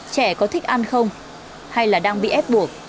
trẻ có thích ăn không hay là đang bị ép buộc